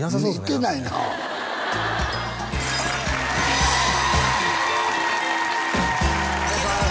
いてないなお願いします